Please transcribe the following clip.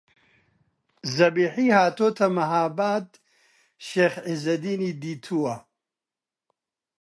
زەبیحی هاتۆتە مەهاباد شێخ عیززەدینی دیتووە